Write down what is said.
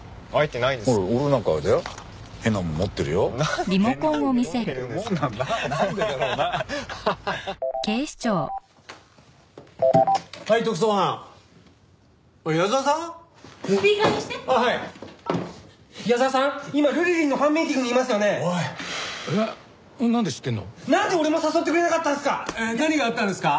なんで俺も誘ってくれなかったんすか！